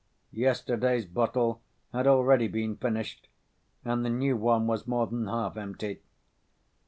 Yesterday's bottle had already been finished, and the new one was more than half empty.